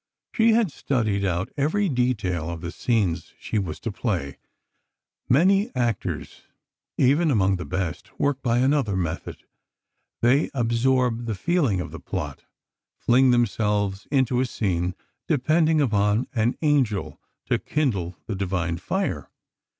She had studied out every detail of the scenes she was to play. Many actors, even among the best, work by another method. They absorb the feeling of the plot, fling themselves into a scene, depending upon an angel to kindle the divine fire.